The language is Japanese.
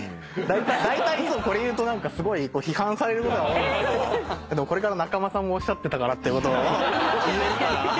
だいたいいつもこれ言うと批判されることが多いんですけどこれから仲間さんもおっしゃってたからってことを言えるから。